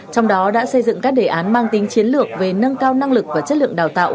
trong đó đã xây dựng các đề án mang tính chiến lược về nâng cao năng lực và chất lượng đào tạo